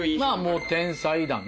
もう天才だな。